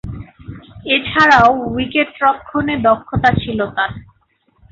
এছাড়াও, উইকেট-রক্ষণে দক্ষতা ছিল তার।